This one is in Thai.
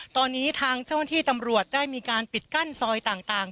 ตอนนี้ทางเจ้าหน้าที่ตำรวจได้มีการปิดกั้นซอยต่าง